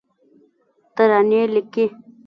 ترانې لیکې